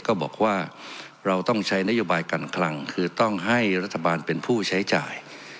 ก็บอกว่าเราต้องใช้นโยบายการคลังคือต้องให้รัฐบาลเป็นผู้ใช้จ่าย